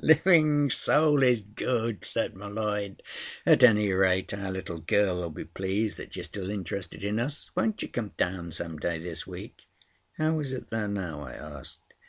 Living soul is good," said M'Leod. "At any rate our little girl will be pleased that you are still interested in us. Won't you come down some day this week?" "How is it there now?" I asked.